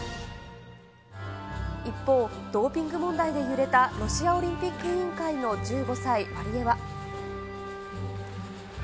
一方、ドーピング問題で揺れたロシアオリンピック委員会の１５歳、ワリエワ。